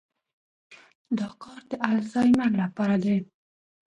دا کار د الزایمر لپاره دی.